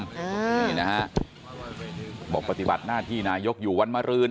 นี่นะฮะบอกปฏิบัติหน้าที่นายกอยู่วันมารืน